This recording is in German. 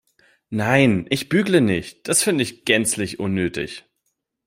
Nein, ich bügle nicht, das finde ich gänzlich unnötig.